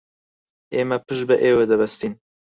ئێمە پشت بە ئێوە دەبەستین.